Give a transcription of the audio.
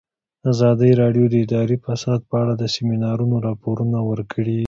ازادي راډیو د اداري فساد په اړه د سیمینارونو راپورونه ورکړي.